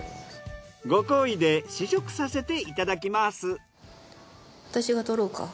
ご厚意で試食させていただきます。